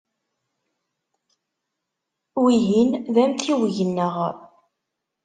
Wihin d amtiweg-nneɣ.